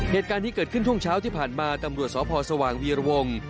เหตุการณ์นี้เกิดขึ้นช่วงเช้าที่ผ่านมาตำรวจสพสว่างวีรวง